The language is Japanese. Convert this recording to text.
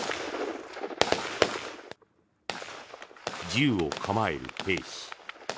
銃を構える兵士。